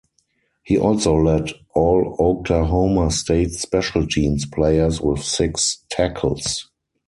He also led all Oklahoma State special teams players with six tackles.